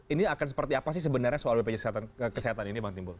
ini akan seperti apa sih sebenarnya soal bpjs kesehatan ini bang timbul